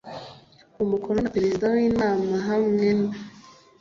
umukono na Perezida w inama hamwe